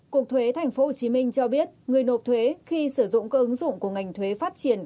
cục thuế tp hcm cho biết người nộp thuế khi sử dụng các ứng dụng của ngành thuế phát triển